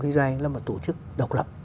kinh doanh là một tổ chức độc lập